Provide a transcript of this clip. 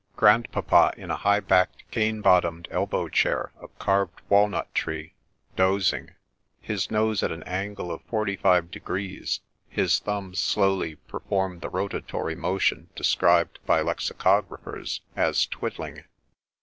— Grandpapa in a high backed cane bottomed elbow chair of carved walnut tree, dozing ; his nose at an angle of forty five degrees, — his thumbs slowly perform the rotatory motion described by lexicographers as ' twid dling.'